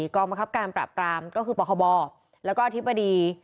กองบังคับการประปราบและก็พล็อคบอธิบดี